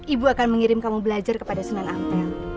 ibu akan mengirim kamu belajar kepada sunan ampel